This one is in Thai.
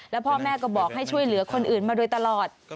แล้วพ่อแม่ก็บอกให้ช่วยเหลือคนอื่นมาโดยตลอด